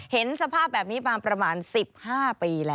เห็นสภาพแบบนี้มาประมาณ๑๕ปีแล้ว